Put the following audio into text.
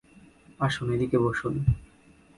আসুন, এদিকে বসুন।